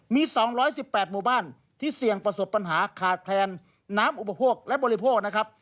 มี๒๑๘หมู่บ้านที่เสี่ยงประสบปัญหาขาดแคลนน้ำอุปโภคและบริโภคนะครับ